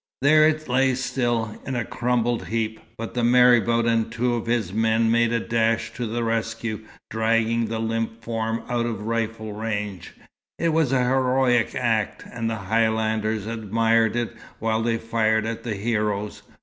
There it lay still, in a crumpled heap, but the marabout and two of his men made a dash to the rescue, dragging the limp form out of rifle range. It was a heroic act, and the Highlanders admired it while they fired at the heroes.